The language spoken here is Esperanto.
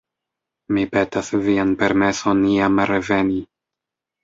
Mi petas vian permeson iam reveni.